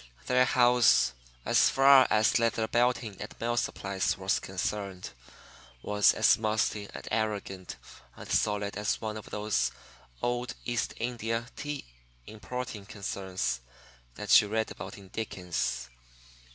Their house, as far as Leather Belting and Mill Supplies was concerned, was as musty and arrogant and solid as one of those old East India tea importing concerns that you read about in Dickens.